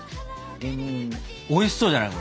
おいしそうじゃない？